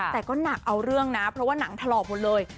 แต่ก็หนักเอาเรื่องนะเพราะว่าหนังถลอกหมดเลย